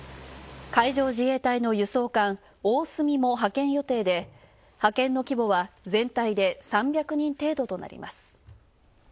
海上自衛隊の輸送艦「おおすみ」も派遣予定で、派遣の規模は全体で３００人程度となります。